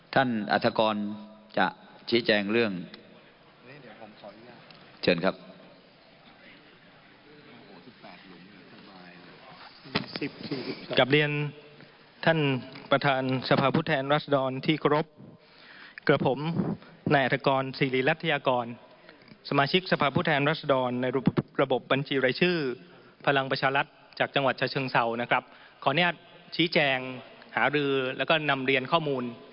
ท่านอธกรจะชี้แจงเรื่อง